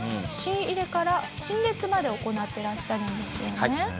仕入れから陳列まで行ってらっしゃるんですよね。